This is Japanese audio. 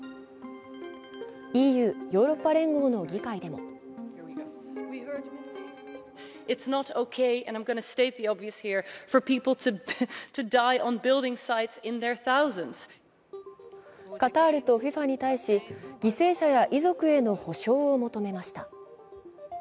ＥＵ＝ヨーロッパ連合の議会でもカタールとＦＩＦＡに対し犠牲者や遺族への補償を求めました。